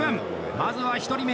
まずは１人目。